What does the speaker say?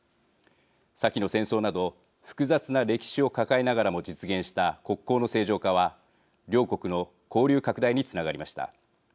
先の戦争など複雑な歴史を抱えながらも実現した国交の正常化は両国の交流拡大につながりました。